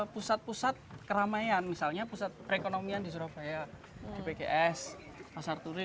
pusat pusat keramaian misalnya pusat perekonomian di surabaya di bgs pasar turi